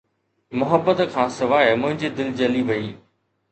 محبت کان سواءِ منهنجي دل جلي وئي